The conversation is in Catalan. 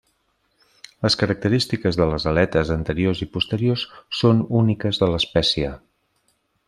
Les característiques de les aletes anteriors i posteriors són úniques de l'espècie.